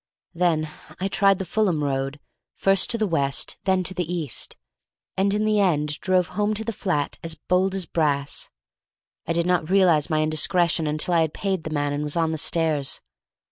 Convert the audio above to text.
Then I tried the Fulham Road, first to the west, then to the east, and in the end drove home to the flat as bold as brass. I did not realize my indiscretion until I had paid the man and was on the stairs.